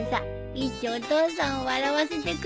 いっちょお父さんを笑わせてくれない？